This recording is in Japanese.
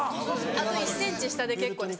あと１センチ下で結構です。